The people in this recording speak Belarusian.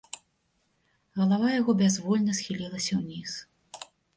Галава яго бязвольна схілілася ўніз.